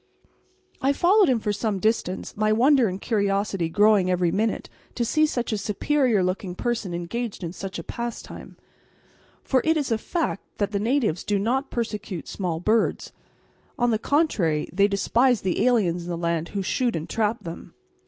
I followed him for some distance, my wonder and curiosity growing every minute to see such a superior looking person engaged in such a pastime. For it is a fact that the natives do not persecute small birds. On the contrary, they despise the aliens in the land who shoot and trap them.